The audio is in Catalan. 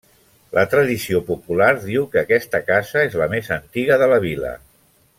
La tradició popular diu que aquesta casa és la més antiga de la vila.